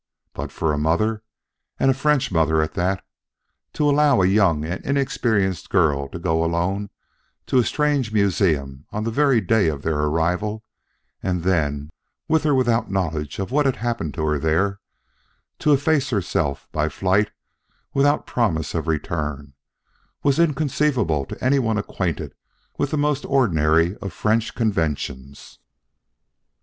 But for a mother, and a French mother at that, to allow a young and inexperienced girl to go alone to a strange museum on the very day of their arrival, and then, with or without knowledge of what had happened to her there, to efface herself by flight without promise of return, was inconceivable to anyone acquainted with the most ordinary of French conventions.